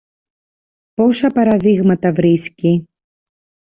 πόσα παραδείγματα βρίσκει!